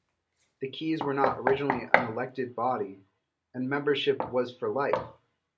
The Keys were not originally an elected body, and membership was for life.